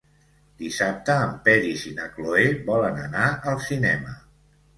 Dissabte en Peris i na Cloè volen anar al cinema.